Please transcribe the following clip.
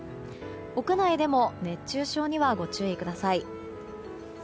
屋内でも熱中症にはご注意ください。